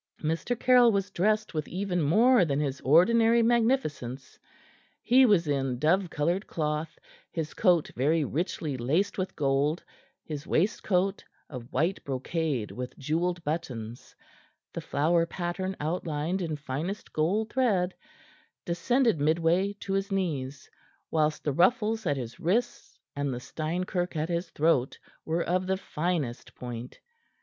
Mr. Caryll was dressed with even more than his ordinary magnificence. He was in dove colored cloth, his coat very richly laced with gold, his waistcoat of white brocade with jeweled buttons, the flower pattern outlined in finest gold thread descended midway to his knees, whilst the ruffles at his wrists and the Steinkirk at his throat were of the finest point.